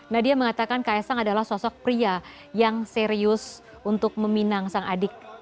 nadia mengatakan kaisang adalah sosok pria yang serius untuk meminang sang adik